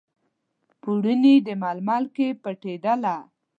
پوړني، د ململ کې پټیدله